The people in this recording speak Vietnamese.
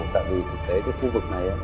tại vì thực tế cái khu vực này